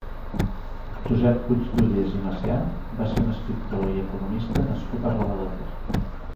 Josep Puigdollers i Macià va ser un escriptor i economista nascut a Roda de Ter.